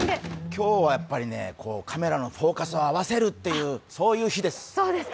今日はカメラのフォーカスを合わせるという、そういう日です。